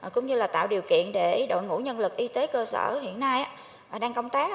cũng như là tạo điều kiện để đội ngũ nhân lực y tế cơ sở hiện nay đang công tác